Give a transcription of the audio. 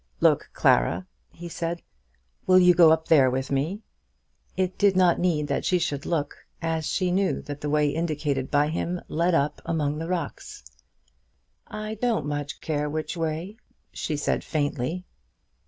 "Look, Clara," he said, "will you go up there with me?" It did not need that she should look, as she knew that the way indicated by him led up among the rocks. "I don't much care which way," she said, faintly.